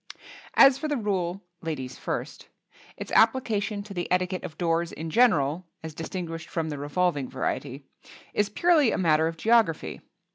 As for the rule "Ladies first," its application to the etiquette of doors in general (as distinguished from the revolving variety) is purely a matter of geography.